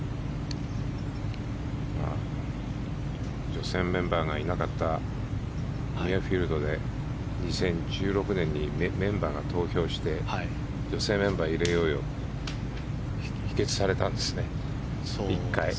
女性メンバーがいなかったミュアフィールドで２０１６年にメンバーが投票して女性メンバーを入れようよ否決されたんです、１回。